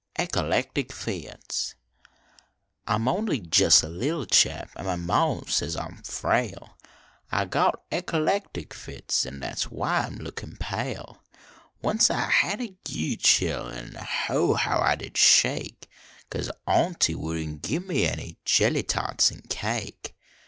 EC A LEC TIC FITS I m only jes a little chap An my ma says I m frail ; I got ec a lec tic fits, At s why I m lookin pale. Once I had a ague chill An oh, how I did shake Cause aunty wouldn t give me any Jelly tarts an cake.